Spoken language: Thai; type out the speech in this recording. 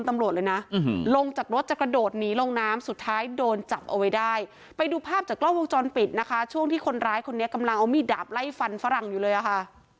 ตรงที่คนร้ายคนนี้กำลังเอามีดดาบไล่ฟันฝรั่งอยู่เลยค่ะ